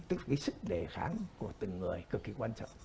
tức cái sức đề kháng của từng người cực kỳ quan trọng